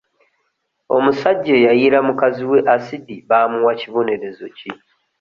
Omusajja eyayiira mukazi we asidi baamuwa kibonerezo ki?